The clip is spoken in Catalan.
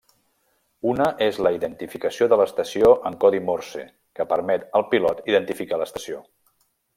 Una és la identificació de l'estació en codi Morse, que permet al pilot identificar l'estació.